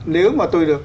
nếu mà tôi được